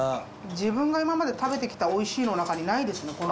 自分が今まで食べてきた「おいしい」の中にないですね